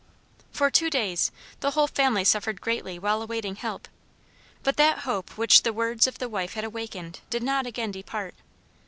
For two days the whole family suffered greatly while awaiting help, but that hope which the words of the wife had awakened, did not again depart.